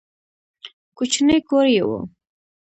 کوچنی کور یې و.